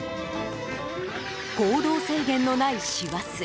行動制限のない師走。